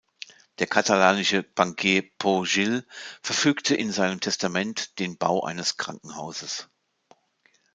Der katalanische Bankier Pau Gil verfügte in seinem Testament den Bau eines Krankenhauses.